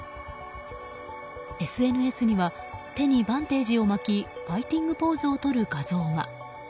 ＳＮＳには手にバンテージを巻きファイティングポーズをとる画像が。